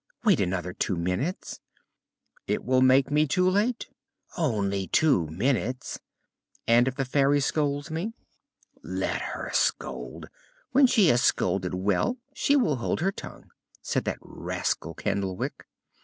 "Wait another two minutes." "It will make me too late." "Only two minutes." "And if the Fairy scolds me?" "Let her scold. When she has scolded well she will hold her tongue," said that rascal Candlewick.